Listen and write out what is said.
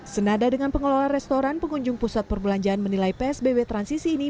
senada dengan pengelola restoran pengunjung pusat perbelanjaan menilai psbb transisi ini